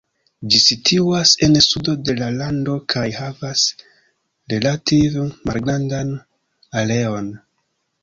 Ĝi situas en sudo de la lando kaj havas relative malgrandan areon.